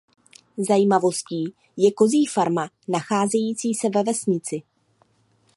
Zajímavostí je kozí farma nacházející se ve vesnici.